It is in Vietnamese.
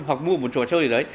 hoặc mua một trò chơi như đấy